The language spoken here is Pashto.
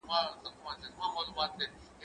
کېدای سي تکړښت ستونزي ولري،